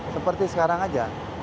seperti sekarang aja